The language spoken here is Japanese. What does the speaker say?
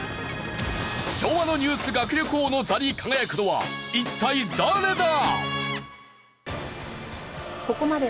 昭和のニュース学力王の座に輝くのは一体誰だ！？